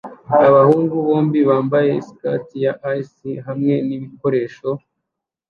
Abahungu bombi bambaye skate ya ice hamwe nibikoresho